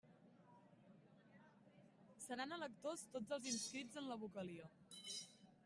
Seran electors tots els inscrits en la vocalia.